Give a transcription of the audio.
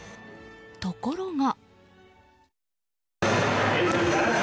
ところが。